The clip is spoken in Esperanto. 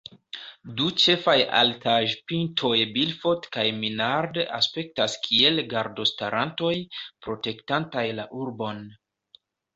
Du ĉefaj altaĵpintoj Bilfot kaj Minard aspektas kiel gardostarantoj, protektantaj la urbon.